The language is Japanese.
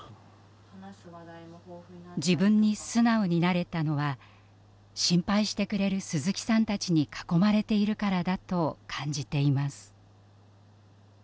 自分に素直になれたのは心配してくれる鈴木さんたちに囲まれているからだと感じています。